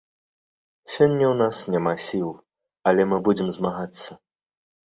Сёння ў нас няма сіл, але мы будзем змагацца.